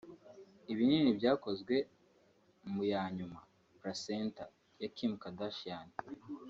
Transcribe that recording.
Ibinini byakozwe mu ya nyuma (placenta) ya Kim Kardashian